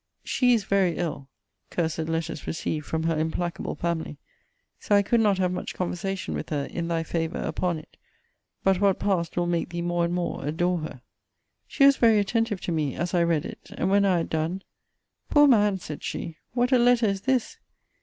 She is very ill: (cursed letters received from her implacable family!) so I could not have much conversation with her, in thy favour, upon it. But what passed will make thee more and more adore her. She was very attentive to me, as I read it; and, when I had done, Poor man! said she; what a letter is this!